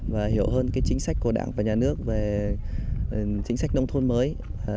và hiểu hơn chính sách của đảng và nhà nước về chính sách nông thôn mới